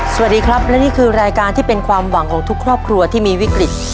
สวัสดีครับและนี่คือรายการที่เป็นความหวังของทุกครอบครัวที่มีวิกฤต